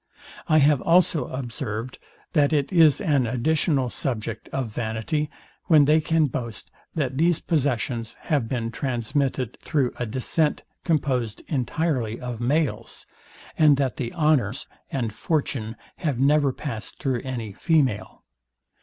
I have also observed, that it is an additional subject of vanity, when they can boast, that these possessions have been transmitted through a descent composed entirely of males, and that the honour, and fortune have never past through any female.